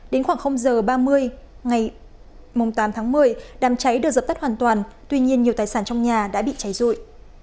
đến khoảng giờ ba mươi ngày tám tháng một mươi đám cháy được dập tắt hoàn toàn tuy nhiên nhiều tài sản trong nhà đã bị cháy rụi